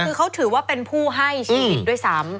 คือเขาถือว่าเป็นผู้ให้ชีวิตด้วยซ้ำ